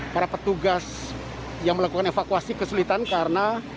para petugas yang melakukan evakuasi kesulitan karena